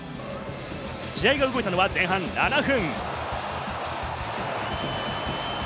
試合が動いたのは前半７分。